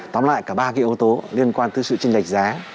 tóm lại cả ba cái yếu tố liên quan tới sự tranh lệch giá